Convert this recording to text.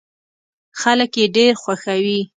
خلک يې ډېر خوښوي.